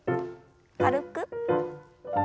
軽く。